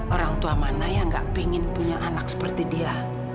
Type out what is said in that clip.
orang tua mana yang gak pengen punya anak seperti dia